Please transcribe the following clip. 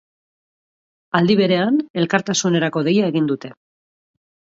Aldi berean, elkartasunerako deia egin dute.